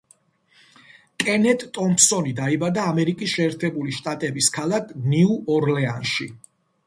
კენეთ ტომფსონი დაიბადა ამერიკის შეერთებული შტატების ქალაქ ნიუ-ორლეანში.